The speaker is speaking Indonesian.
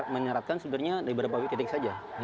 menyerahkan sebenarnya dari beberapa titik saja